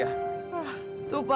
ah tuh pa